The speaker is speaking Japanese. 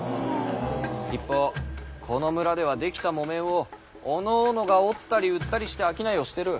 一方この村では出来た木綿をおのおのが織ったり売ったりして商いをしてる。